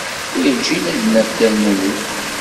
Werǧin ad d-naf Dda Lmulud.